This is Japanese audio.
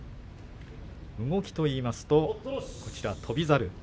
動きといいますと翔猿。